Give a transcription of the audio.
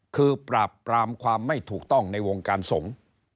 คือปราบปรามความไม่ถูกต้องในวงการสงฆ์